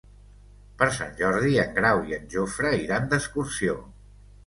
Per Sant Jordi en Grau i en Jofre iran d'excursió.